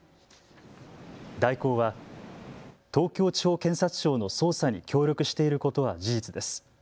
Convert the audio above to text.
大広は東京地方検察庁の捜査に協力していることは事実です。